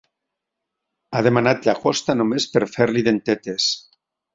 Ha demanat llagosta només per fer-li dentetes.